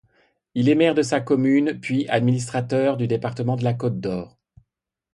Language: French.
Il est maire de sa commune, puis administrateur du département de la Côte-d'Or.